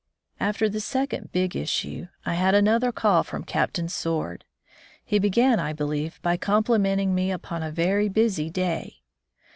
After the second "Big Issue '\ I had an other call from Captain Sword. He began, I believe, by complimenting me upon a very busy day.